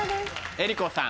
江里子さん。